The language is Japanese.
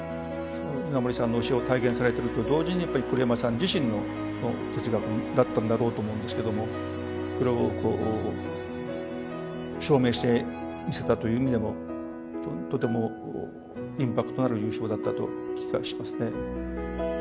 稲盛さんの教えを体現されていると同時に、やっぱり栗山さん自身の哲学になったんだろうと思うんですけども、それを証明して見せたという意味でも、とてもインパクトのある優勝だったという気がしますね。